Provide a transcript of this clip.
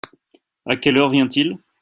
À quelle heure vient-il ?